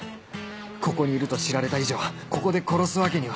ここにいると知られた以上ここで殺すわけには